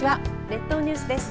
列島ニュースです。